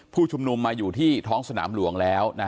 ผู้ชุมนุมมาอยู่ที่ท้องสนามหลวงแล้ว